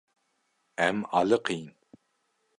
Em aliqîn.